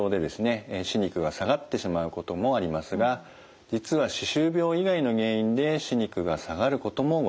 歯肉が下がってしまうこともありますが実は歯周病以外の原因で歯肉が下がることもございます。